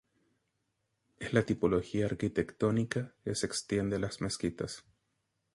Es la tipología arquitectónica que se extiende a las mezquitas.